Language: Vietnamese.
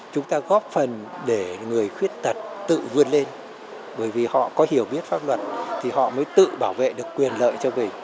chúng ta góp phần để người khuyết tật tự vươn lên bởi vì họ có hiểu biết pháp luật thì họ mới tự bảo vệ được quyền lợi cho mình